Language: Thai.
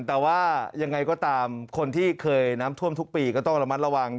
แต่ว่ายังไงก็ตามคนที่เคยน้ำท่วมทุกปีก็ต้องระมัดระวัง